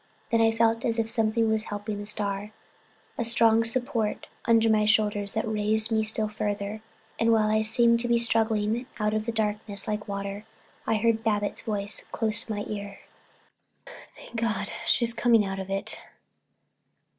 Then I felt as if something was helping the star, a strong support under my shoulders that raised me still further, and while I seemed to be struggling out of a darkness like water, I heard Babbitts' voice close to my ear: "Thank God, she's coming out of it."